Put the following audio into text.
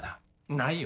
ないよ。